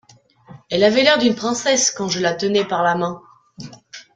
Elle avait l’air d’une princesse Quand je la tenais par la main.